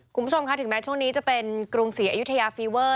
คุณผู้ชมค่ะถึงแม้ช่วงนี้จะเป็นกรุงศรีอยุธยาฟีเวอร์